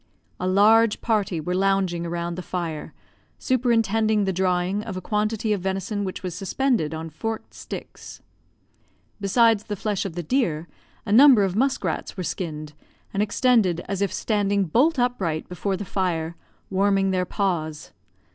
A large party were lounging around the fire, superintending the drying of a quantity of venison which was suspended on forked sticks. Besides the flesh of the deer, a number of musk rats were skinned, and extended as if standing bolt upright before the fire, warming their paws.